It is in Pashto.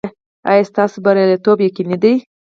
ایا ستاسو بریالیتوب یقیني دی؟